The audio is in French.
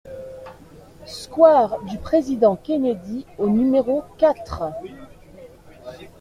Square du Président Kennedy au numéro quatre